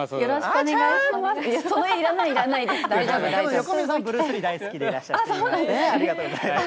横溝さん、ブルース・リー、大好きでいらっしゃって、ありがとうございます。